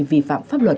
vi phạm pháp luật